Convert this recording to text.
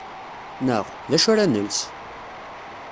Neɣ: D acu ara nels?